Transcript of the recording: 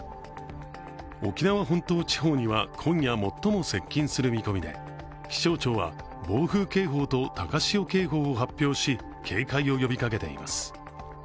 沖縄本島地方には今夜最も接近する見込みで、気象庁は暴風警報と高潮警報を発表し警戒を呼びかけています。